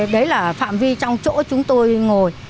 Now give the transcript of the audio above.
đấy là phạm vi trong chỗ chúng tôi ngồi